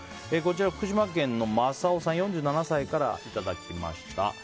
福島県の４３歳の方からいただきました。